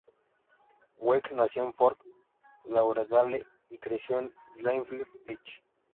Weigel nació en Fort Lauderdale y creció en Deerfield Beach.